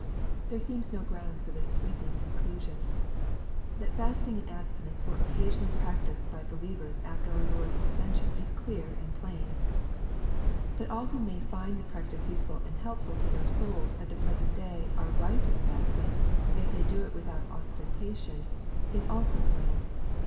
There seems no ground for this sweeping conclusion. That fasting and abstinence were occasionally practised by believers after our Lord's ascension is clear and plam. That all who may i 158 EXPOSITORY THOUGHTS. find the practice useful and helpM to their souls at the present day ore right in fasting^ if they do it without ostentation, is also plain.